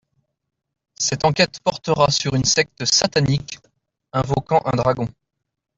Cette enquête portera sur une secte satanique, invoquant un dragon.